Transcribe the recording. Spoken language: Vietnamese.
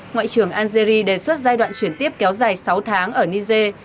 ngoại trưởng algeri đề xuất giai đoạn chuyển tiếp kéo dài sáu tháng ở niger